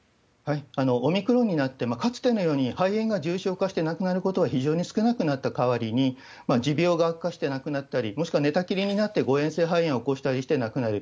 オミクロンになって、かつてのように肺炎が重症化して亡くなることは非常に少なくなった代わりに、持病が悪化して亡くなったり、もしくは寝たきりになって、誤嚥性肺炎を起こしたりして亡くなる。